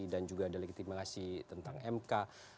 dan juga delegitimasi tentang mk